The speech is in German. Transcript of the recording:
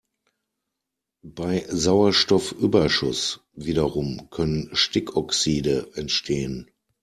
Bei Sauerstoffüberschuss wiederum können Stickoxide entstehen.